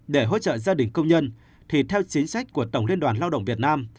để hỗ trợ gia đình công nhân thì theo chính sách của tổng liên đoàn lao động việt nam